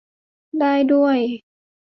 ได้ด้วย